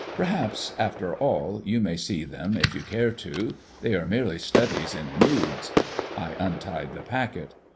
Perhaps, after all, you may see them if you care to. They are merely studies in moods." I untied the packet.